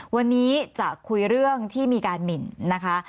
วันนี้จะคุยเรื่องที่มีการหมินนะคะ